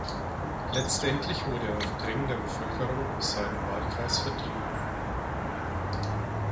Letztendlich wurde er auf Drängen der Bevölkerung aus seinem Wahlkreis vertrieben.